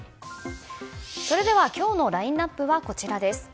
それでは今日のラインアップはこちらです。